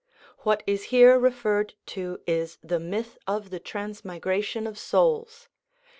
What is here referred to is the myth of the transmigration of souls.